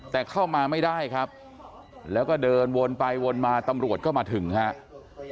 แต่เข้ามาไม่ได้ครับแล้วก็เดินวนไปวนมาตำรวจก็มาถึงครับ